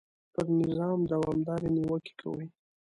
پر نظام دوامدارې نیوکې کوي.